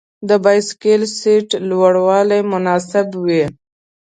د بایسکل سیټ لوړوالی مناسب وي.